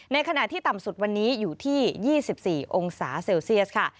ขณะที่ต่ำสุดวันนี้อยู่ที่๒๔องศาเซลเซียสค่ะ